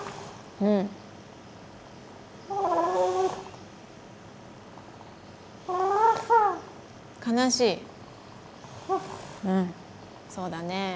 うんそうだね。